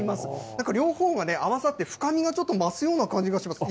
なんか両方が合わさって、深みがちょっと増すような感じがします。